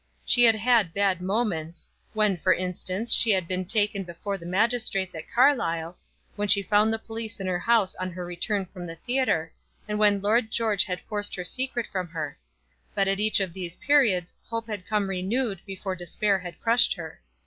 She had had bad moments, when, for instance, she had been taken before the magistrates at Carlisle, when she found the police in her house on her return from the theatre, and when Lord George had forced her secret from her. But at each of these periods hope had come renewed before despair had crushed her.